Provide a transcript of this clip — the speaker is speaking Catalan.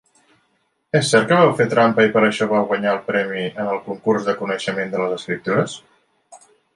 És cert que vau fer trampa i per això vau guanyar el premi en el concurs de coneixement de les Escriptures?